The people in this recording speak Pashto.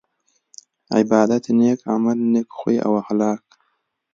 عبادت نيک عمل نيک خوي او اخلاق